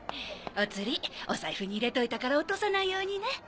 お釣りお財布に入れといたから落とさないようにね。